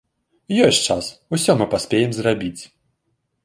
Ёсць час, усе мы паспеем зрабіць.